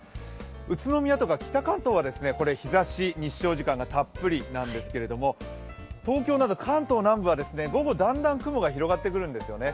宇都宮とか北関東は日ざし、日照時間がたっぷりなんですけれども、東京など関東南部は午後だんだん雲が広がってくるんですよね。